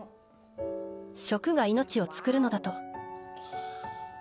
食が命をつくるのだと。